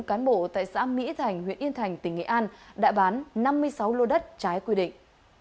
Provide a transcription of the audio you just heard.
bốn cán bộ tại xã mỹ thành huyện yên thành tỉnh nghệ an đã bán năm mươi sáu lô đất trái quy định